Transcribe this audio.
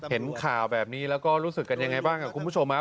เห็นข่าวแบบนี้แล้วก็รู้สึกกันยังไงบ้างครับคุณผู้ชมครับ